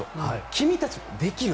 君たち、できる。